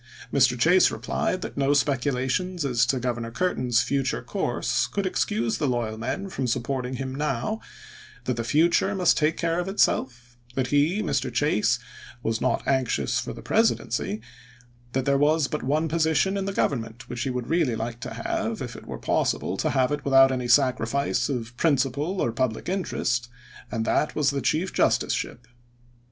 Mr. Chase replied that no spec ulations as to Governor Curtin's future course could excuse the loyal men from supporting him now ; that the future must take care of itself ; that he, Mr. Chase, was not anxious for the Presidency; that there was but one position in the Government which he would really like to have, if it were pos sible to have it without any sacrifice of principle or public interest, and that was the chief justiceship.